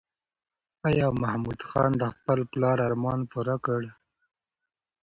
ایا محمود خان د خپل پلار ارمان پوره کړ؟